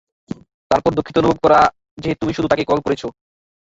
তারপর দুঃখিত অনুভব করা যে, তুমিই শুধু তাকে কল করছো।